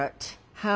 はい。